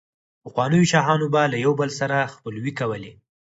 پخوانو شاهانو به له يو بل سره خپلوۍ کولې،